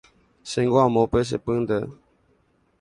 Chéngo amopẽ che pýnte.